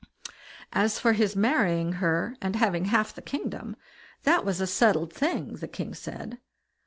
As for his marrying her, and having half the kingdom, that was a settled thing, the king said.